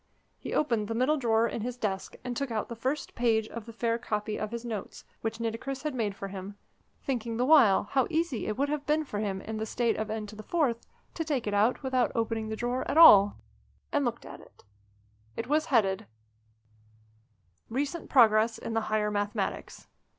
He opened the middle drawer in his desk, and took out the first page of the fair copy of his notes, which Nitocris had made for him thinking the while how easy it would have been for him in the state of N4 to take it out without opening the drawer at all and looked at it. It was headed: "RECENT PROGRESS IN THE HIGHER MATHEMATICS."